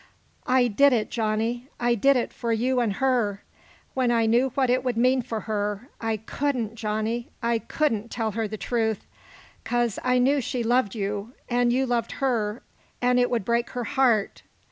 "I did it, Johnny; I did it for you an' her! When I knew what it would mean for her I couldn't, Johnny, I couldn't tell her the truth, 'cause I knew she loved you, an' you loved her, an' it would break her heart.